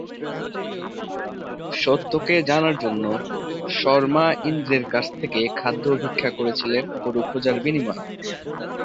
সত্যকে জানার জন্য সরমা ইন্দ্রের কাছ থেকে খাদ্য ভিক্ষা করেছিলেন গরু খোঁজার বিনিময়ে।